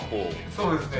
そうですね。